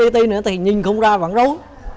thì nhìn không ra vẫn rối